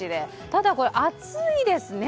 ただ、暑いですね。